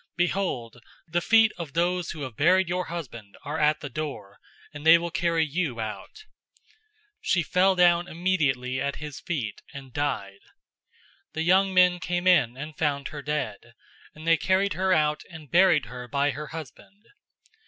Behold, the feet of those who have buried your husband are at the door, and they will carry you out." 005:010 She fell down immediately at his feet, and died. The young men came in and found her dead, and they carried her out and buried her by her husband.